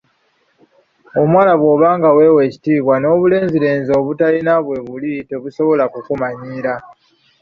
Omuwala bw'oba nga weewa ekitiibwa, n'obulenzilenzi obutalina bwe buli tebusola kukumanyiira.